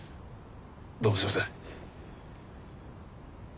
どうもすいません。